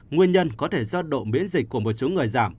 nguyên nhân có thể do độ miễn dịch của một số người giảm